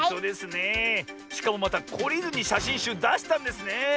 しかもまたこりずにしゃしんしゅうだしたんですねえ。